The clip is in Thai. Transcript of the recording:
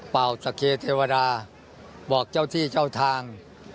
เป่าสเคเทวดาบอกเจ้าที่เจ้าทาง